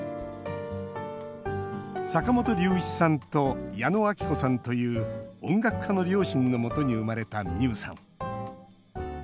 坂本龍一さんと矢野顕子さんという音楽家の両親のもとに生まれた美雨さん。